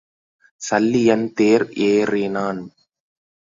சல்லியன் தேர் ஏறினான்.